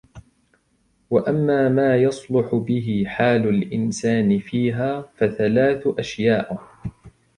وَأَمَّا مَا يَصْلُحُ بِهِ حَالُ الْإِنْسَانِ فِيهَا فَثَلَاثَةُ أَشْيَاءَ